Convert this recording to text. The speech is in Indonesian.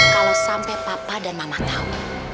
kalau sampai papa dan mama tahu